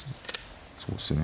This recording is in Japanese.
そうですよね